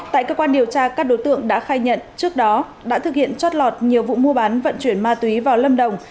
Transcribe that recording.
tại cơ quan điều tra các đối tượng đã khai nhận trước đó đã thực hiện trót lọt nhiều vụ mua bán vận chuyển ma túy vào lâm đồng